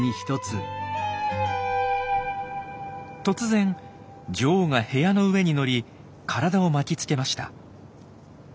突然女王が部屋の上に乗り体を巻きつけました。